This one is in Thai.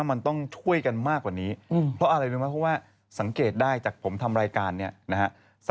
นั่นแหละใครรู้ก็ตอบมาหน่อยนะคะ